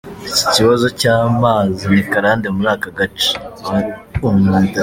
Iki kibazo cy’amazi ni karande muri aka gace.